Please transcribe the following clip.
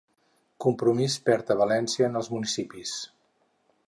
Compromís perd a València en les municipals